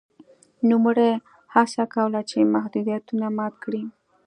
نوموړي هڅه کوله چې محدودیتونه مات کړي.